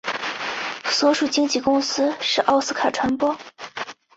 所属经纪公司是奥斯卡传播。